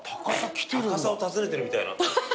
高佐を訪ねてるみたいな。